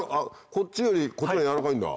こっちよりこっちの方がやわらかいんだ。